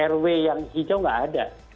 rw yang hijau nggak ada